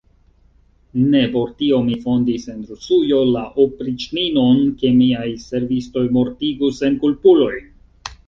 Ne por tio mi fondis en Rusujo la opriĉninon, ke miaj servistoj mortigu senkulpulojn.